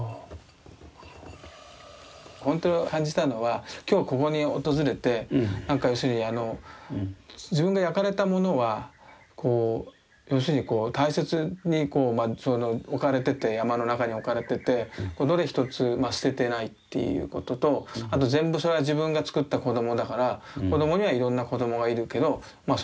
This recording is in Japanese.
本当感じたのは今日ここに訪れて要するに自分が焼かれたものは要するにこう大切に置かれてて山の中に置かれててどれ一つ捨ててないっていうこととあと全部それは自分が作った子供だから子供にはいろんな子供がいるけどまあ